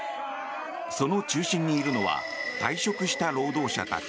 その中心にいるのは退職した労働者たち。